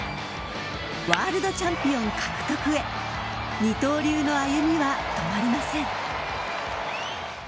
ワールドチャンピオン獲得へ二刀流の歩みは止まりません。